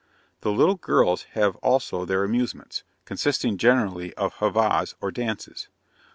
The little girls have also their amusements, consisting generally of heivahs or dances.